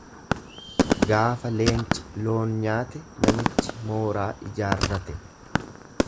Gaafa leenci loon nyaate namichi mooraa ijaarrate.